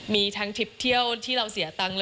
มีทั้งทริปเที่ยวที่เราเสียตังค์